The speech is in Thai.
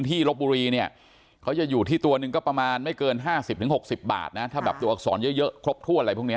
ลบบุรีเนี่ยเขาจะอยู่ที่ตัวหนึ่งก็ประมาณไม่เกิน๕๐๖๐บาทนะถ้าแบบตัวอักษรเยอะครบถ้วนอะไรพวกนี้